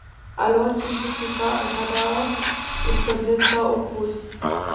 Alors qu'il disséquait un cadavre, il se blessa au pouce.